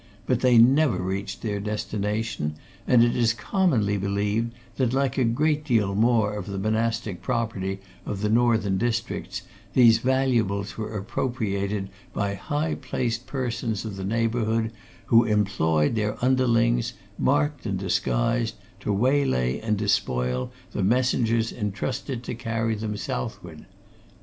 But they never reached their destination, and it is commonly believed that like a great deal more of the monastic property of the Northern districts these valuables were appropriated by high placed persons of the neighbourhood who employed their underlings, marked and disguised, to waylay and despoil the messengers entrusted to carry them Southward.